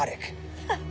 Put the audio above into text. ハッ。